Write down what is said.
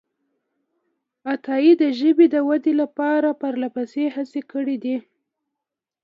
عطایي د ژبې د ودې لپاره پرلهپسې هڅې کړې دي.